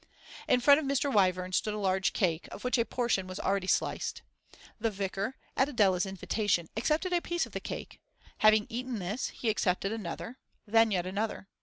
In front of Mr. Wyvern stood a large cake, of which a portion was already sliced. The vicar, at Adela's invitation, accepted a piece of the cake; having eaten this, he accepted another; then yet another.